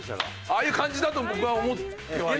ああいう感じだと僕は思っては。